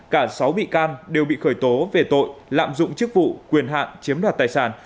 cả sáu bị can đều bị khởi tố về tội lạm dụng chức vụ quyền hạn chiếm đoạt tài sản